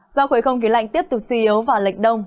do khối không khí lạnh tiếp tục suy yếu và lệch đông